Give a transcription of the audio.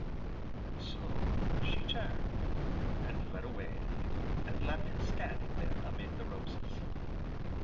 And so, she turned, and fled away, and left him standing there amid the roses.